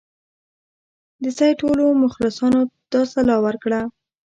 د سید ټولو مخلصانو دا سلا ورکړه.